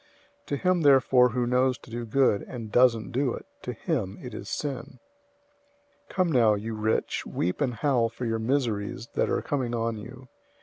004:017 To him therefore who knows to do good, and doesn't do it, to him it is sin. 005:001 Come now, you rich, weep and howl for your miseries that are coming on you.